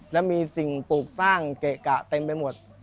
แล้วมีสิ่งปลูกสร้างเกะกะเต็มไปหมด